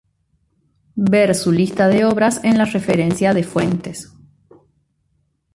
Ver su lista de obras en la referencia de fuentes.